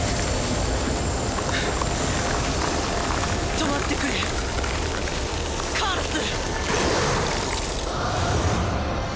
止まってくれカーラス！